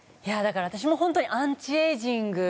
私も本当にアンチエイジング。